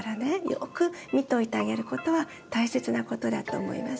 よく見といてあげることは大切なことだと思います。